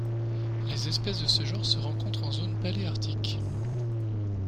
Les espèces de ce genre se rencontrent en zone Paléarctique.